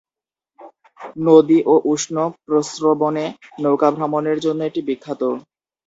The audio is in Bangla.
নদী ও উষ্ণ প্রস্রবণে নৌকা ভ্রমণের জন্য এটি বিখ্যাত।